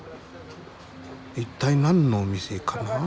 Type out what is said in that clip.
一体何のお店かな。